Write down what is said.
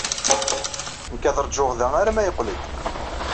Nekk ad ṛjuɣ da arma yeqqel-d.